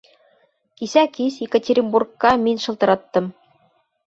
Кисә кис Екатеринбургка мин шылтыраттым.